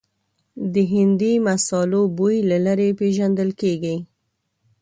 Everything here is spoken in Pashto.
د هندي مسالو بوی له لرې پېژندل کېږي.